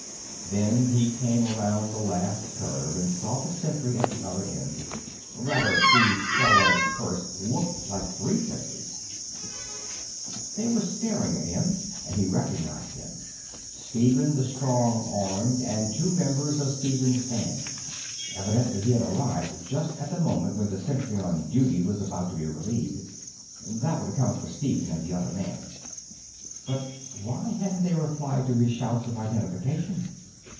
Then he came around the last curve and saw the sentry at the other end. Rather, he saw what at first looked like three sentries. They were staring at him, and he recognized them. Stephen the Strong Armed and two members of Stephen's band. Evidently he had arrived just at the moment when the sentry on duty was about to be relieved. That would account for Stephen and the other man. But why hadn't they replied to his shouts of identification?